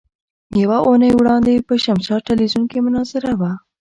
يوه اونۍ وړاندې په شمشاد ټلوېزيون کې مناظره وه.